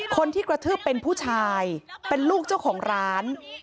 คนที่กระทืบเป็นผู้ชายเป็นลูกเจ้าของร้าน